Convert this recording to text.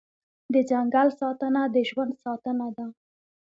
د ځنګل ساتنه د ژوند ساتنه ده